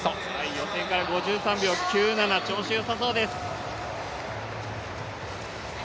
予選から５３秒９７、調子よさそうです。